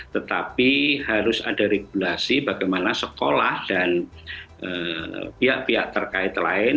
tetapi harus ada regulasi bagaimana sekolah dan pihak pihak terkait lain